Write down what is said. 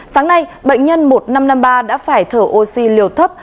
sáng nay bệnh nhân một nghìn năm trăm năm mươi ba đã phải thở oxy liều thấp